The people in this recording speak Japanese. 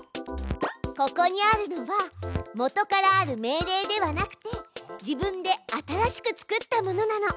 ここにあるのはもとからある命令ではなくて自分で新しく作ったものなの。